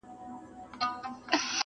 دا ملنګ سړی چي نن خویونه د باچا کوي,